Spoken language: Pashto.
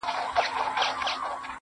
• ليلا مجنون.